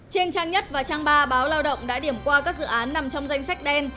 trên trang nhất và trang ba báo lao động đã điểm qua các dự án nằm trong danh sách đen